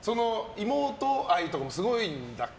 妹愛とかもすごいんだっけ？